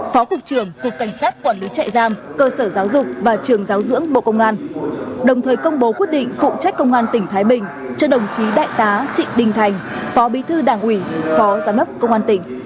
phó cục trưởng cục cảnh sát quản lý trại giam cơ sở giáo dục và trường giáo dưỡng bộ công an đồng thời công bố quyết định phụ trách công an tỉnh thái bình cho đồng chí đại tá trị đình thành phó bí thư đảng ủy phó giám đốc công an tỉnh